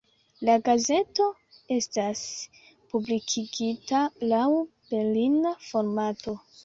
La gazeto estas publikigita laŭ berlina formato.